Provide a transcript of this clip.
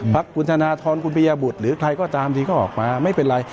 พักคุณธนทรคุณพญาบุตรหรือใครก็ตามที่เขาออกมาไม่เป็นไร